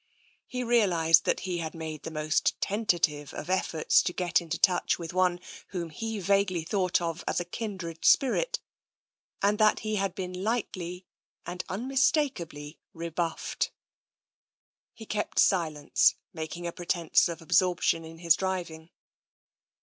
He realised that he had made the most tentative of efforts to get into touch with one whom he vaguely thought of as a kindred spirit, and that he had been lightly and unmistakably rebuffed. He kept silence, making a pretence of absorption in his driving.